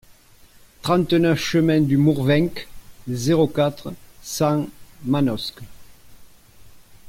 trente-neuf chemin du Mourvenc, zéro quatre, cent Manosque